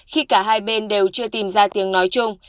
khi cả hai bên đều chưa tìm ra tiếng nói chung